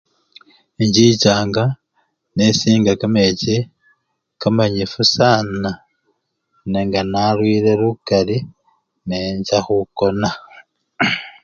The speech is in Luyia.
Inchichanga nesinga kamechi kamanyifu sana nenga nalwile lukali, necha khukona.